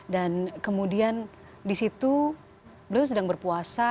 dan kemudian di situ beliau sedang berpuasa